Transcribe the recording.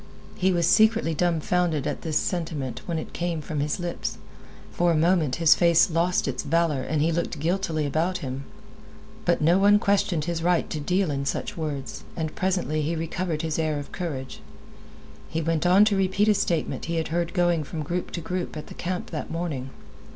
He was secretly dumfounded at this sentiment when it came from his lips. For a moment his face lost its valor and he looked guiltily about him. But no one questioned his right to deal in such words, and presently he recovered his air of courage. He went on to repeat a statement he had heard going from group to group at the camp that morning.